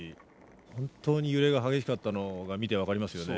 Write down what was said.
本当に揺れが激しかったのが見て分かりますよね。